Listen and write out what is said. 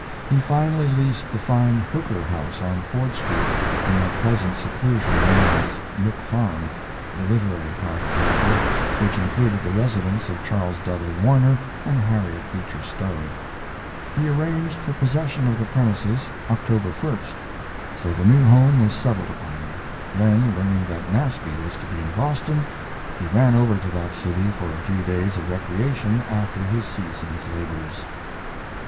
He finally leased the fine Hooker house on Ford Street, in that pleasant seclusion known as Nook Farm the literary part of Hartford, which included the residence of Charles Dudley Warner and Harriet Beecher Stowe. He arranged for possession of the premises October 1st. So the new home was settled upon; then learning that Nasby was to be in Boston, he ran over to that city for a few days of recreation after his season's labors.